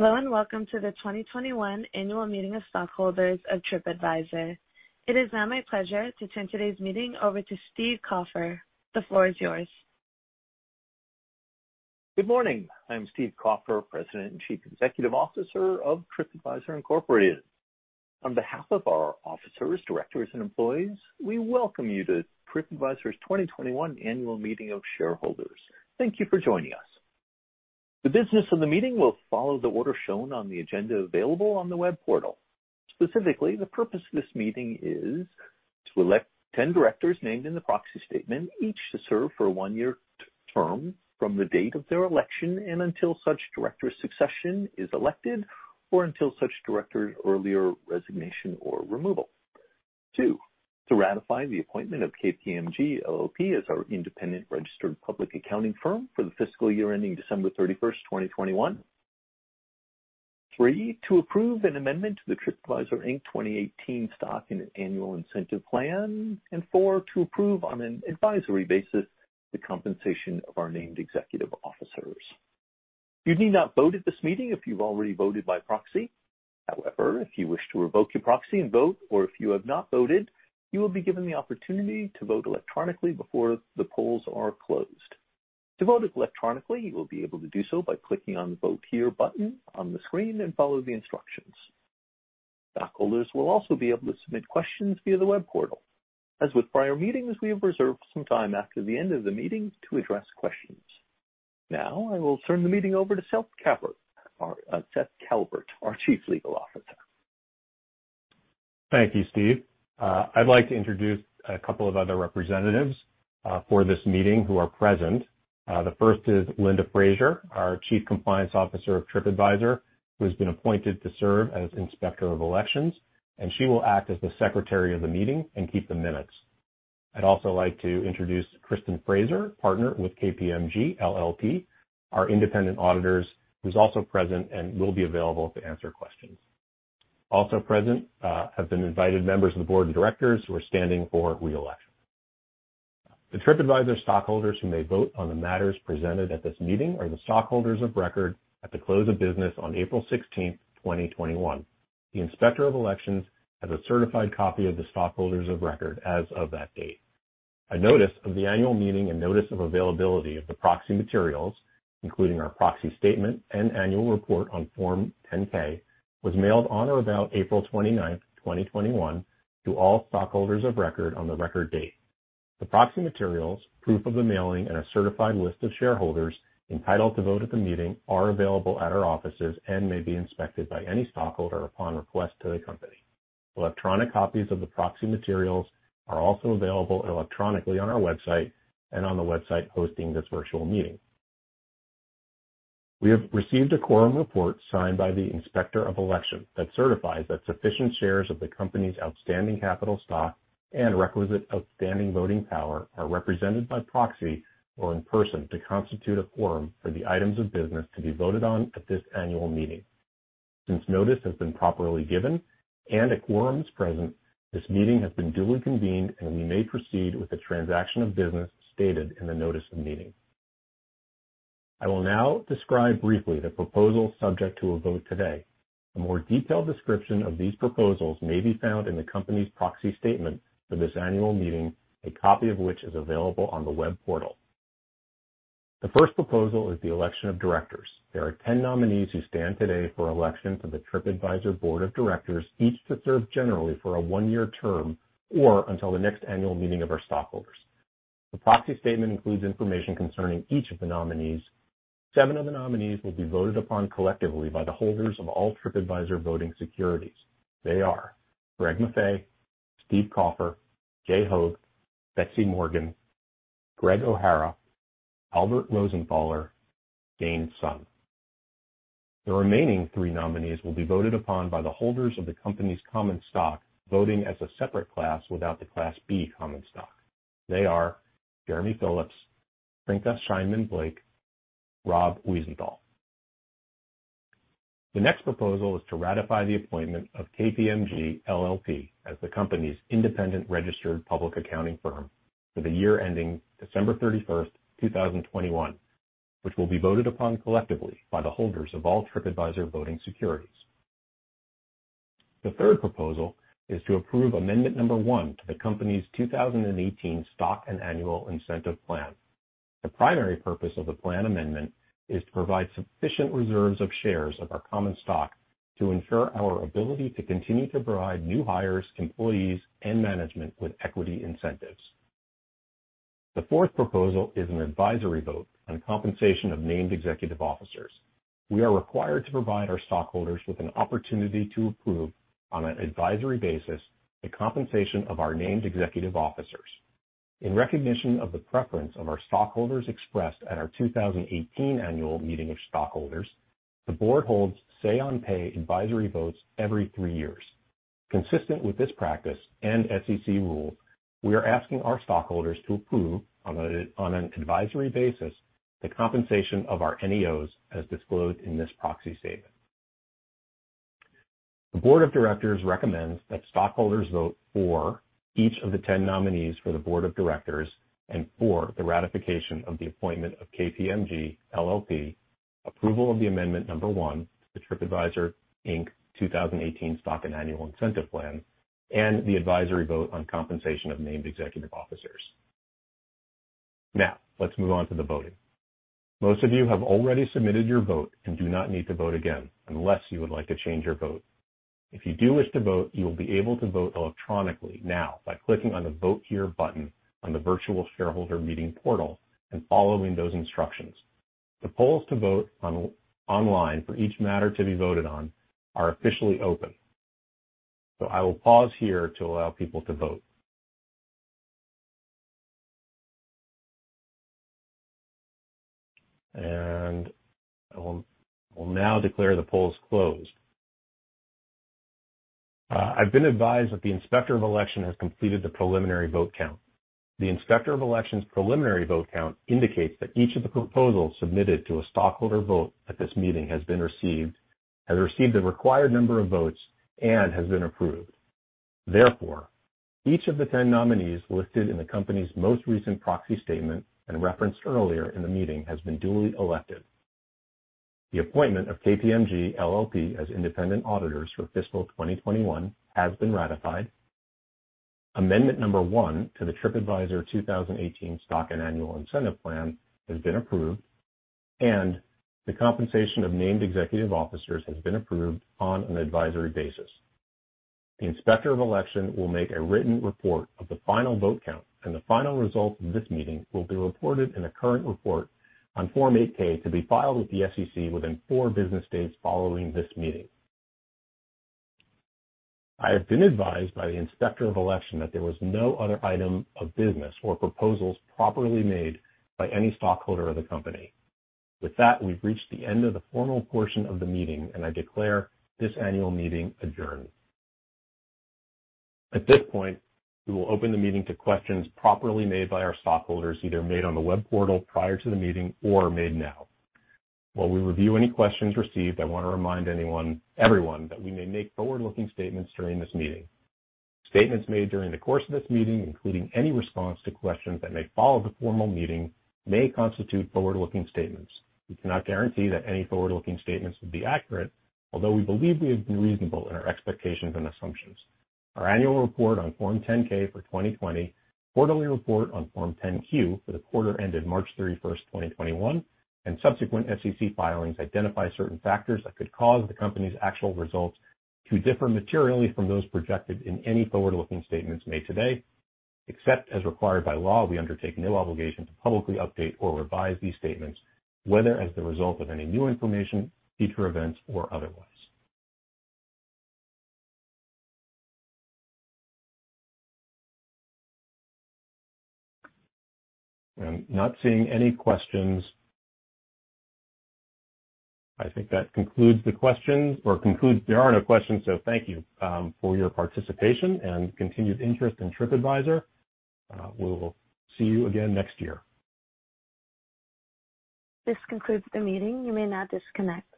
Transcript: Hello, welcome to the 2021 annual meeting of stockholders of TripAdvisor. It is now my pleasure to turn today's meeting over to Stephen Kaufer. The floor is yours. Good morning. I'm Stephen Kaufer, President and Chief Executive Officer of TripAdvisor, Inc. On behalf of our officers, directors, and employees, we welcome you to TripAdvisor's 2021 annual meeting of shareholders. Thank you for joining us. The business of the meeting will follow the order shown on the agenda available on the web portal. Specifically, the purpose of this meeting is to elect 10 directors named in the proxy statement, each to serve for a one-year term from the date of their election and until such director's succession is elected or until such director's earlier resignation or removal. Two, to ratify the appointment of KPMG LLP as our independent registered public accounting firm for the fiscal year ending December 31st, 2021. Three, to approve an amendment to the TripAdvisor, Inc. 2018 Stock and Annual Incentive Plan. Four, to approve on an advisory basis the compensation of our Named Executive Officers. You need not vote at this meeting if you've already voted by proxy. However, if you wish to revoke your proxy and vote or if you have not voted, you will be given the opportunity to vote electronically before the polls are closed. To vote electronically, you will be able to do so by clicking on the Vote Here button on the screen and follow the instructions. Stockholders will also be able to submit questions via the web portal. As with prior meetings, we have reserved some time after the end of the meeting to address questions. Now, I will turn the meeting over to Seth Kalvert, our Chief Legal Officer. Thank you, Steve. I'd like to introduce a couple of other representatives for this meeting who are present. The first is Linda Frazier, our Chief Compliance Officer of TripAdvisor, who has been appointed to serve as Inspector of Elections, and she will act as the secretary of the meeting and keep the minutes. I'd also like to introduce Kristin Fraser, partner with KPMG LLP, our independent auditors, who's also present and will be available to answer questions. Also present have been invited members of the board of directors who are standing for re-election. The TripAdvisor stockholders who may vote on the matters presented at this meeting are the stockholders of record at the close of business on April 16th, 2021. The Inspector of Elections has a certified copy of the stockholders of record as of that date. A notice of the annual meeting and notice of availability of the proxy materials, including our proxy statement and annual report on Form 10-K, was mailed on or about April 29th, 2021 to all stockholders of record on the record date. The proxy materials, proof of the mailing, and a certified list of shareholders entitled to vote at the meeting are available at our offices and may be inspected by any stockholder upon request to the company. Electronic copies of the proxy materials are also available electronically on our website and on the website hosting this virtual meeting. We have received a quorum report signed by the Inspector of Elections that certifies that sufficient shares of the company's outstanding capital stock and requisite outstanding voting power are represented by proxy or in person to constitute a quorum for the items of business to be voted on at this annual meeting. Since notice has been properly given and a quorum is present, this meeting has been duly convened, and we may proceed with the transaction of business stated in the notice of meeting. I will now describe briefly the proposals subject to a vote today. A more detailed description of these proposals may be found in the company's proxy statement for this annual meeting, a copy of which is available on the web portal. The first proposal is the election of directors. There are 10 nominees who stand today for election to the TripAdvisor Board of Directors, each to serve generally for a one-year term or until the next annual meeting of our stockholders. The proxy statement includes information concerning each of the nominees. Seven of the nominees will be voted upon collectively by the holders of all TripAdvisor voting securities. They are Gregory B. Maffei, Stephen Kaufer, Jay C. Hoag, Betsy Morgan, M. Gregory O'Hara, Albert E. Rosenthaler, Jane Jie Sun. The remaining three nominees will be voted upon by the holders of the company's common stock voting as a separate class without the Class B common stock. They are Jeremy Philips, Trynka Shineman Blake, Robert Wiesenthal. The next proposal is to ratify the appointment of KPMG LLP as the company's independent registered public accounting firm for the year ending December 31, 2021, which will be voted upon collectively by the holders of all TripAdvisor voting securities. The third proposal is to approve amendment number one to the company's 2018 Stock and Annual Incentive Plan. The primary purpose of the plan amendment is to provide sufficient reserves of shares of our common stock to ensure our ability to continue to provide new hires, employees, and management with equity incentives. The fourth proposal is an advisory vote on compensation of Named Executive Officers. We are required to provide our stockholders with an opportunity to approve on an advisory basis the compensation of our Named Executive Officers. In recognition of the preference of our stockholders expressed at our 2018 annual meeting of stockholders, the board holds say on pay advisory votes every three years. Consistent with this practice and SEC rules, we are asking our stockholders to approve on an advisory basis the compensation of our NEOs as disclosed in this proxy statement. The board of directors recommends that stockholders vote for each of the 10 nominees for the board of directors, and for the ratification of the appointment of KPMG LLP, approval of the amendment number one to TripAdvisor, Inc. 2018 Stock and Annual Incentive Plan, and the advisory vote on compensation of Named Executive Officers. Now, let's move on to the voting. Most of you have already submitted your vote and do not need to vote again unless you would like to change your vote. If you do wish to vote, you'll be able to vote electronically now by clicking on the Vote Here button on the virtual shareholder meeting portal and following those instructions. The polls to vote online for each matter to be voted on are officially open. I will pause here to allow people to vote. I will now declare the polls closed. I've been advised that the Inspector of Election has completed the preliminary vote count. The Inspector of Election's preliminary vote count indicates that each of the proposals submitted to a stockholder vote at this meeting has been received, has received the required number of votes, and has been approved. Therefore, each of the 10 nominees listed in the company's most recent proxy statement and referenced earlier in the meeting has been duly elected. The appointment of KPMG LLP as independent auditors for fiscal 2021 has been ratified. Amendment number one to the TripAdvisor, Inc. 2018 Stock and Annual Incentive Plan has been approved, and the compensation of Named Executive Officers has been approved on an advisory basis. The Inspector of Elections will make a written report of the final vote count, and the final result of this meeting will be reported in a current report on Form 8-K to be filed with the SEC within four business days following this meeting. I have been advised by the Inspector of Elections that there was no other item of business or proposals properly made by any stockholder of the company. With that, we've reached the end of the formal portion of the meeting, and I declare this annual meeting adjourned. At this point, we will open the meeting to questions properly made by our stockholders, either made on the web portal prior to the meeting or made now. While we review any questions received, I want to remind everyone that we may make forward-looking statements during this meeting. Statements made during the course of this meeting, including any response to questions that may follow the formal meeting, may constitute forward-looking statements. We cannot guarantee that any forward-looking statements will be accurate, although we believe we have been reasonable in our expectations and assumptions. Our annual report on Form 10-K for 2020, quarterly report on Form 10-Q for the quarter ended March 31st, 2021, and subsequent SEC filings identify certain factors that could cause the company's actual results to differ materially from those projected in any forward-looking statements made today. Except as required by law, we undertake no obligation to publicly update or revise these statements, whether as the result of any new information, future events, or otherwise. I'm not seeing any questions. I think that concludes the questions or concludes there aren't questions, so thank you for your participation and continued interest in TripAdvisor. We will see you again next year. This concludes the meeting. You may now disconnect.